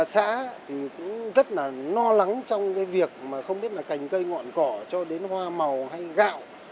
xã thì cũng rất là lo lắng trong cái việc mà không biết là cành cây ngọn cỏ cho đến hoa màu hay gạo